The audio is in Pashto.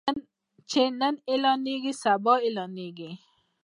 چې نن اعلانيږي سبا اعلانيږي.